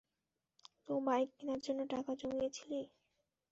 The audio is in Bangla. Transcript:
তো, বাইক কেনার জন্য টাকা জমিয়েছিলি?